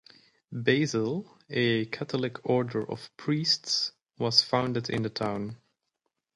Basil, a Catholic order of priests was founded in the town.